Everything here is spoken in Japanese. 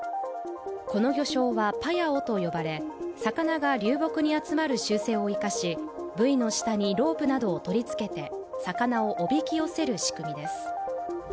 この魚礁はパヤオと呼ばれ、魚が流木に集まる習性を生かし、ブイの下にロープなどを取り付け魚をおびき寄せる仕組みです。